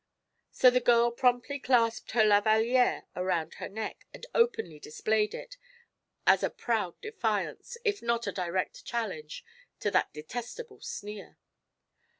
So the girl promptly clasped her lavalliere around her neck and openly displayed it, as a proud defiance, if not a direct challenge, to that detestable sneer.